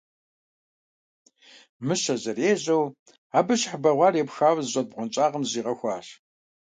Мыщэр зэрежьэу, абы щыхь бэгъуар епхауэ зыщӀэт бгъуэнщӀагъым зыщӀигъэхуащ.